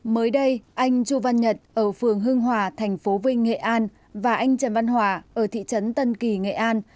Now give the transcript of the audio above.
mới đây anh chu văn nhật ở phường hưng hòa thành phố vinh nghệ an và anh trần văn hòa ở thị trấn tân kỳ nghệ an